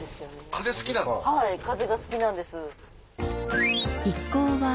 風が好きなんです。